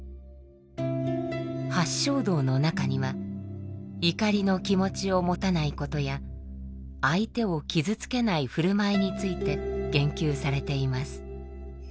八正道の中には怒りの気持ちを持たないことや相手を傷つけない振る舞いについて言及されています。